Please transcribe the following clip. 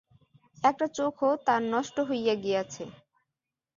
একটা চোখও তার নষ্ট হইয়া গিয়াছে।